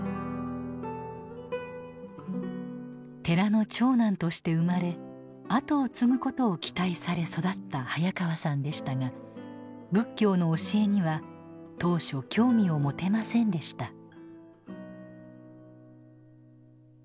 寺の長男として生まれあとを継ぐことを期待され育った早川さんでしたが仏教の教えには当初興味を持てませんでした。